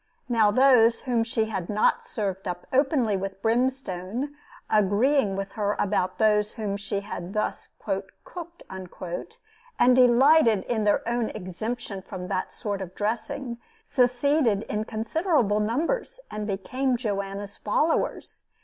Now, those whom she had not served up openly with brimstone, agreeing with her about those whom she had thus "cooked," and delighted in their own exemption from that sort of dressing, seceded in considerable numbers, and became Joanna's followers.